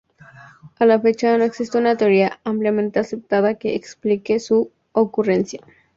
A la fecha, no existe una teoría ampliamente aceptada que explique su ocurrencia.